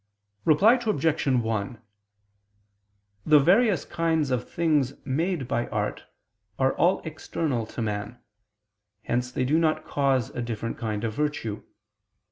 Reply Obj. 1: The various kinds of things made by art are all external to man: hence they do not cause a different kind of virtue.